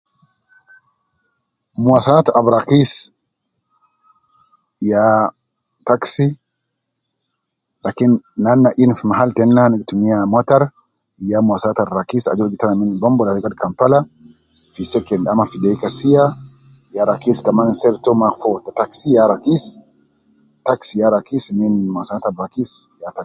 Muwasalat ab rakis, ya taxi, lakin nana in fi mahal tena ana gi tumiya mowtar ya muwasalat ab rakis ajol gi tala min Bombo ladi kampala fi second ama fi deeka sia, ya rakis kaman sente to ma foo, te taxi ya rakis, taxi ya rakis min muwasalat ab rakis